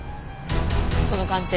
その鑑定